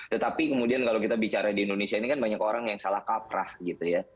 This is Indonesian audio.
tetapi kemudian kalau kita bicara di indonesia ini kan banyak orang yang salah kaprah gitu ya